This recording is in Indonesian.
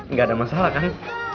gak ada masalah kan